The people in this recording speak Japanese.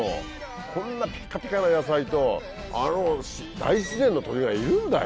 こんなピッカピカな野菜とあの大自然の鳥がいるんだよ？